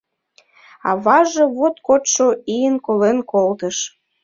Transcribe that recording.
Аваже вот кодшо ийын колен колтыш.